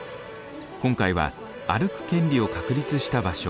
今回は歩く権利を確立した場所